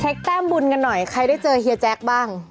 แต้มบุญกันหน่อยใครได้เจอเฮียแจ๊คบ้าง